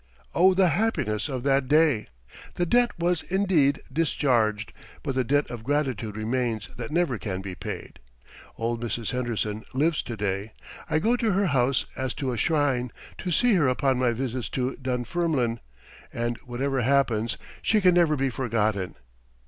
Oh, the happiness of that day! The debt was, indeed, discharged, but the debt of gratitude remains that never can be paid. Old Mrs. Henderson lives to day. I go to her house as to a shrine, to see her upon my visits to Dunfermline; and whatever happens she can never be forgotten.